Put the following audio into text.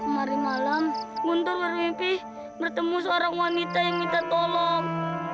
hari malam guntur bermimpi bertemu seorang wanita yang minta tolong